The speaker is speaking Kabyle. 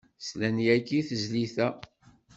Slan yagi i tezlit-a.